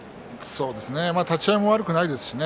立ち合いも悪くないですね。